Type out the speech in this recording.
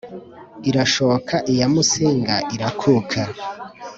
irashoka iya músinga irakuka